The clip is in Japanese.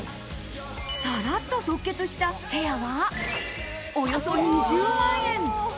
さらっと即決したチェアは、およそ２０万円。